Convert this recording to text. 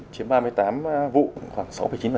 chiếm ba mươi tám vụ khoảng sáu chín